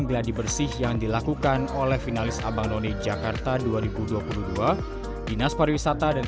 geladi bersih yang dilakukan oleh finalis abang none jakarta dua ribu dua puluh dua dinas pariwisata dan